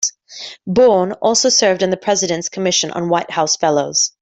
Bourne also served on the President's Commission on White House Fellows.